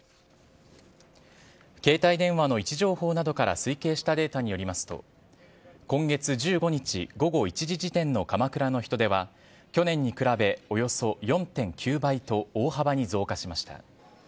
携帯電話の位置情報などから推計したデータによりますと今月１５日午後１時時点の鎌倉の人出は去年に比べおよそ４．９倍と大幅に増加しました。